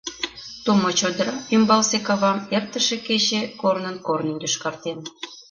Тумо чодыра ӱмбалсе кавам эртыше кече корнын-корнын йошкартен.